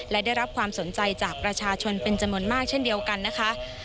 และได้รับความสนใจจากประชาชนเป็นจำนวนมากเช่นเดียวกันนะคะ